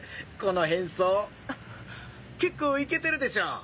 この変装結構イケてるでしょ？